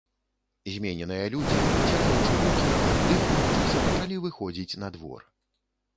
Змененыя людзі, выціраючы рукі, аддыхваючыся, пачалі выходзіць на двор.